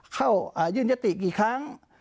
เข้ายื่นยติกี่ครั้ง